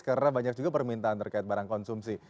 karena banyak juga permintaan terkait barang konsumsi